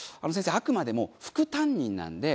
あくまでも副担任なんで。